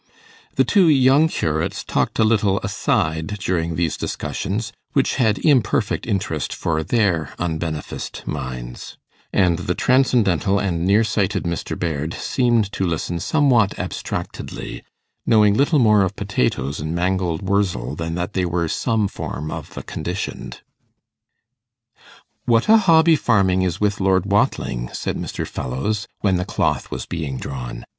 The two young curates talked a little aside during these discussions, which had imperfect interest for their unbeneficed minds; and the transcendental and near sighted Mr. Baird seemed to listen somewhat abstractedly, knowing little more of potatoes and mangold wurzel than that they were some form of the 'Conditioned'. 'What a hobby farming is with Lord Watling!' said Mr. Fellowes, when the cloth was being drawn.